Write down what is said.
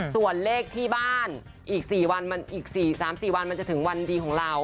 ส่วนเลขที่บ้านอีก๔๓๔วันมันจะถึงวันดีของเรา